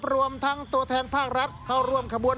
รวมทั้งตัวแทนภาครัฐเข้าร่วมขบวน